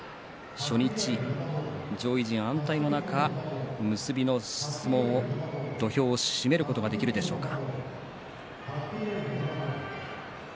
初日、上位陣安泰の中結びの相撲、土俵を締めることができるでしょうか。